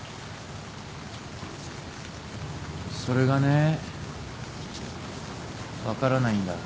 それがね分からないんだ。